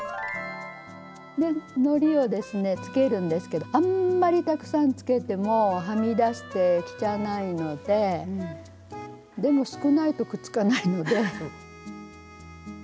のりをですねつけるんですけどあんまりたくさんつけてもはみ出して汚いのででも少ないとくっつかないので。